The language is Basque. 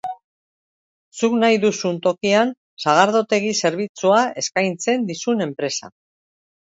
Zuk nahi duzun tokian sagardotegi zerbitzua eskaintzen dizun enpresa.